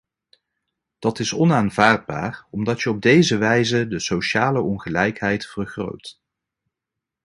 Dat is onaanvaardbaar, omdat je op deze wijze de sociale ongelijkheid vergroot.